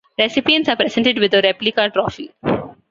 Recipients are presented with a replica trophy.